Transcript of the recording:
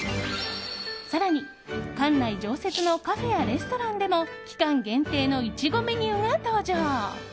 更に、館内常設のカフェやレストランでも期間限定のイチゴメニューが登場。